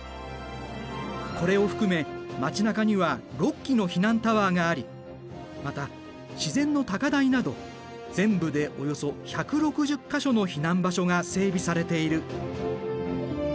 これを含め町なかには６基の避難タワーがありまた自然の高台など全部でおよそ１６０か所の避難場所が整備されている。